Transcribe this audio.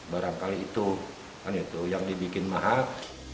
barangkali itu yang dibikin mahal